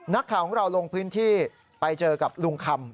นักข่าวของเราลงพื้นที่ไปเจอกับลุงคำ